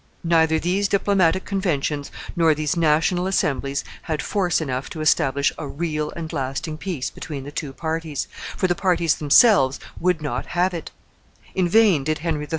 Neither these diplomatic conventions nor these national assemblies had force enough to establish a real and lasting peace between the two parties, for the parties themselves would not have it; in vain did Henry III.